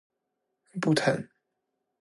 不疼